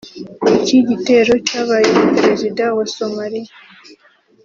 Iki gitero cyabaye Perezida wa Somalia